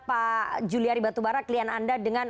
pak juliari batubara klien anda dengan